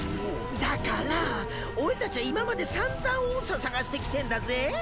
だからあ俺たちゃ今までさんざん音叉探してきてんだぜぇ？